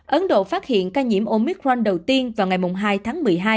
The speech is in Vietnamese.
ấn độ phát hiện ca nhiễm omicron đầu tiên vào ngày hai tháng một mươi hai